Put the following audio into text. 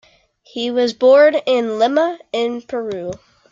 He was born in Lima in Peru.